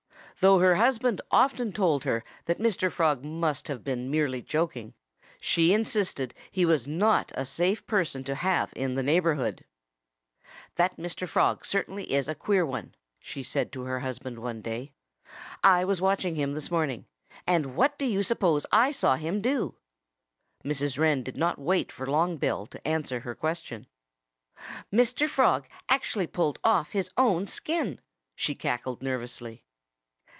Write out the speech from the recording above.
Though her husband often told her that Mr. Frog must have been merely joking, she insisted that he was not a safe person to have in the neighborhood. "That Mr. Frog certainly is a queer one," she said to her husband one day. "I was watching him this morning. And what do you suppose I saw him do?" Mrs. Wren did not wait for Long Bill to answer her question. "Mr. Frog actually pulled off his own skin!" she cackled nervously.